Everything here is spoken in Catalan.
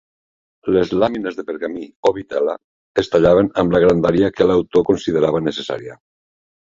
Les làmines de pergamí o vitel·la es tallaven amb la grandària que l'autor considerava necessària.